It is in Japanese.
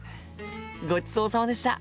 ごちそうさまでした。